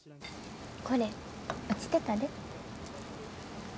これ落ちてたで。